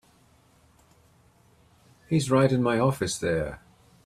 He's right in my office there.